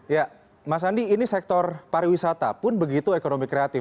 ya mas andi ini sektor pariwisata pun begitu ekonomi kreatif